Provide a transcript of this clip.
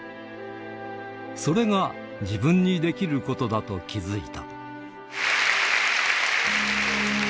それが自分にできることだと気付いた。